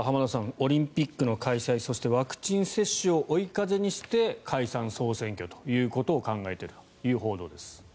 オリンピックの開催そしてワクチン接種を追い風にして解散・総選挙ということを考えているという報道です。